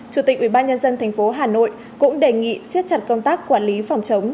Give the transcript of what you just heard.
chủ tịch ủy ban nhân dân tp hcm hà nội cũng đề nghị siết chặt công tác quản lý phòng chống